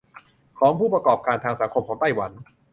ของผู้ประกอบการทางสังคมของไต้หวัน